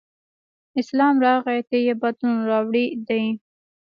اسلام راغی ته یې بدلون راوړی دی.